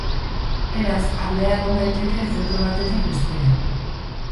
Beraz, aldea egon daiteke zentro batetik bestera.